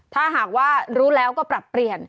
ถ้าหากว่ารู้แล้วก็ปรับเปลี่ยน